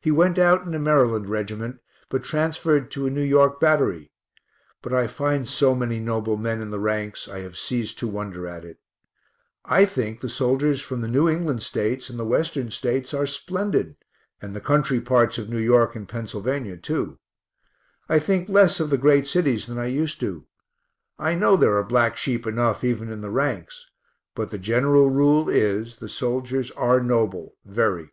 He went out in a Maryland reg't, but transferred to a N. Y. battery. But I find so many noble men in the ranks I have ceased to wonder at it. I think the soldiers from the New England States and the Western States are splendid, and the country parts of N. Y. and Pennsylvania too. I think less of the great cities than I used to. I know there are black sheep enough even in the ranks, but the general rule is the soldiers are noble, very.